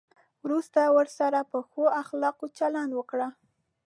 وروسته ورسره په ښو اخلاقو چلند وکړئ.